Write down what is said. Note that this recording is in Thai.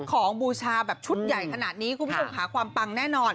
บูชาแบบชุดใหญ่ขนาดนี้คุณผู้ชมค่ะความปังแน่นอน